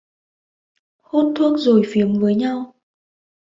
Hút thuốc rồi phiếm với nhau